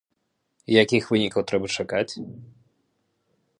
Якіх вынікаў трэба чакаць?